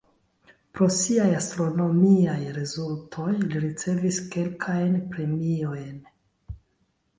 Pro siaj astronomiaj rezultoj li ricevis kelkajn premiojn.